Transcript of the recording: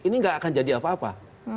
ini nggak akan jadi apa apa